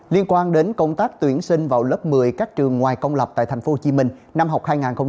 liên quan đến công tác tuyển sinh vào lớp một mươi các trường ngoài công lập tại tp hcm năm học hai nghìn hai mươi hai nghìn hai mươi